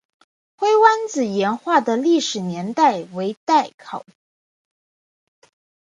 灰湾子岩画的历史年代为待考。